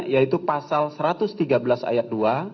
yaitu pasal satu ratus tiga belas ayat dua